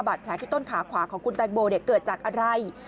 แผลที่ต้นขาขวาของคุณแตงโมเกิดจากอะไร